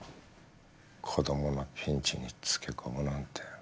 子供のピンチにつけ込むなんて。